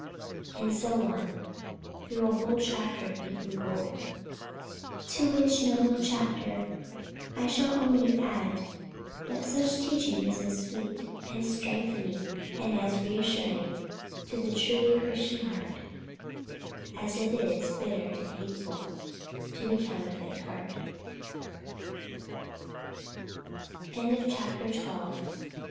And so on through a whole chapter of beaten gold. To which noble chapter I shall only add that such teaching is as sweet, as strengthening, and as reassuring to the truly Christian heart as it is bitter and hateful to the counterfeit he